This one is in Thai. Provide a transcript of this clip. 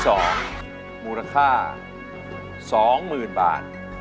เลขที่๒มูรค่า๒๐๐๐๐บาท